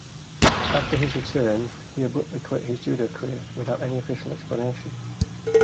After his return, he abruptly quit his judo career without any official explanation.